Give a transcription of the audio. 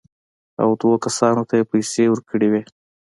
او دوو کسانو ته یې پېسې ورکړې وې.